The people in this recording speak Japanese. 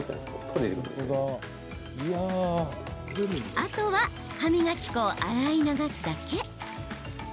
あとは、歯磨き粉を洗い流すだけ。